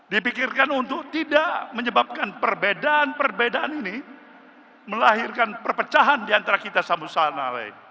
dipikirkan untuk tidak menyebabkan perbedaan perbedaan ini melahirkan perpecahan di antara kita sama sama